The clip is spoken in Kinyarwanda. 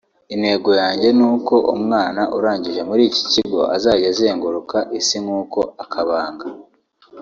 Intego yanjye ni uko umwana urangije muri iki kigo azajya azenguruka Isi nk’uko akabanga